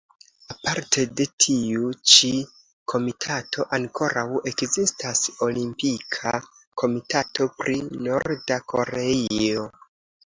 Aparte de tiu-ĉi komitato, ankoraŭ ekzistas Olimpika Komitato pri Norda Koreio.